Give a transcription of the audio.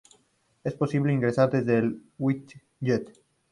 Es posible ingresar desde el widget.